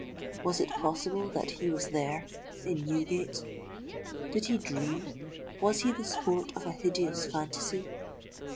Was it possible that he was there—in Newgate? Did he dream—was he the sport of a hideous phantasy?